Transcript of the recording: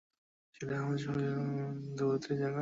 যেটা আমাদের সৌরজগতের অনেক দূরবর্তী একটা জায়গা!